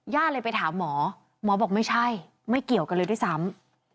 เลยไปถามหมอหมอบอกไม่ใช่ไม่เกี่ยวกันเลยด้วยซ้ำ